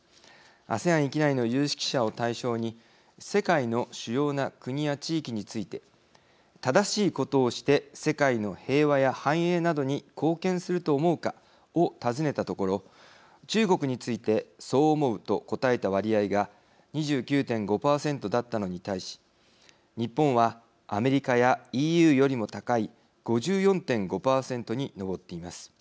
アセアン域内の有識者を対象に世界の主要な国や地域について正しいことをして世界の平和や繁栄などに貢献すると思うかを尋ねたところ中国についてそう思うと答えた割合が２９．５％だったのに対し日本はアメリカやＥＵよりも高い５４．５％に上っています。